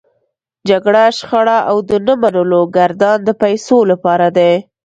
جګړه، شخړه او د نه منلو ګردان د پيسو لپاره دی.